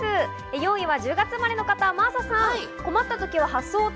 ４位は１０月生まれの方、真麻さん。